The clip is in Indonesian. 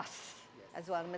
saat kami datang anda memiliki bus